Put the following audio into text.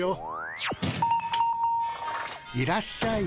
・いらっしゃい。